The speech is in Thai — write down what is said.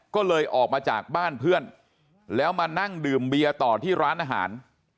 ก็เลยออกมาจากบ้านเพื่อนแล้วมานั่งดื่มเบียร์ต่อที่ร้านอาหาร